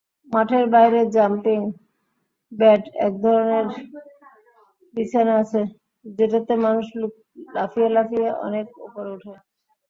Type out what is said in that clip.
মাঠের বাইরে জাম্পিং বেডএকধরনের বিছানা আছে, যেটাতে মানুষ লাফিয়ে লাফিয়ে অনেক ওপরে ওঠে।